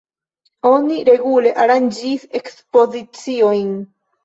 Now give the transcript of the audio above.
Oni regule aranĝis ekspoziciojn.